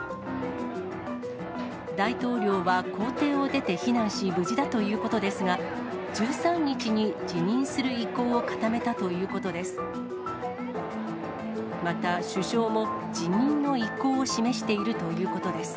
大統領は公邸を出て避難し、無事だということですが、１３日に辞任する意向を固めたということです。